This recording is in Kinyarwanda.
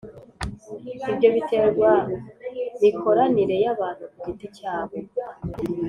Ibyo biterwa mikoranire y’ abantu ku giti cyabo